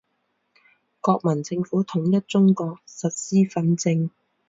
国民政府统一中国，实施训政。